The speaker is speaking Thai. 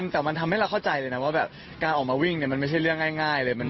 แต่มันทำให้เราเข้าใจเลยนะว่าแบบการออกมาวิ่งเนี่ยมันไม่ใช่เรื่องง่ายเลย